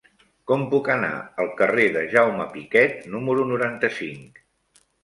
Com puc anar al carrer de Jaume Piquet número noranta-cinc?